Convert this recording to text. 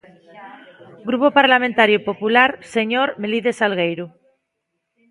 Grupo Parlamentario Popular, señor Melide Salgueiro.